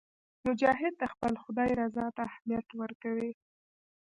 مجاهد د خپل خدای رضا ته اهمیت ورکوي.